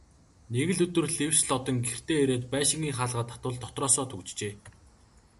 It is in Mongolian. Нэг өдөр гэвш Лодон гэртээ ирээд байшингийн хаалгаа татвал дотроос түгжжээ.